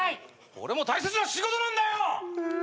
これも大切な仕事なんだよ！